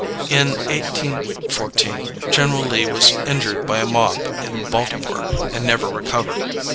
In 1814, General Lee was injured by a mob in Baltimore, and never recovered.